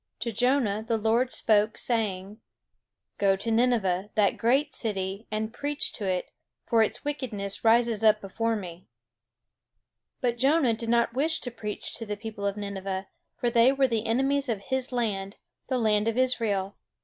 To Jonah the Lord spoke, saying: "Go to Nineveh, that great city, and preach to it; for its wickedness rises up before me." But Jonah did not wish to preach to the people of Nineveh; for they were the enemies of his land, the land of Israel.